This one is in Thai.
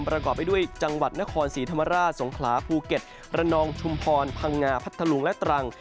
ประกอบไปด้วยจังหวัดนครศรีธรรมราชสงขลาภูเก็ตระนองชุมพรพังงาพัทธลุงและตรัง